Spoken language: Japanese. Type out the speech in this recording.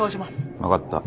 分かった。